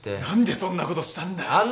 何でそんなことしたんだよ？